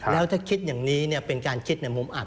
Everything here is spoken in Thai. แล้วถ้าคิดอย่างนี้เป็นการคิดในมุมอับ